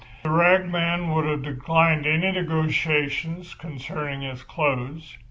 The ragman would have declined any negotiations concerning his clothes.